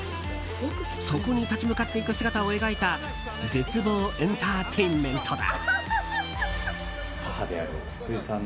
そこに立ち向かっていく姿を描いた絶望エンターテインメントだ。